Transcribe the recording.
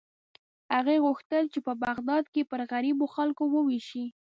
هغې غوښتل چې په بغداد کې یې پر غریبو خلکو ووېشي.